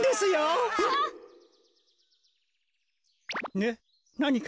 えっなにか？